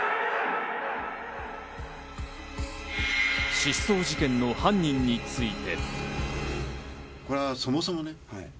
失踪事件の犯人について。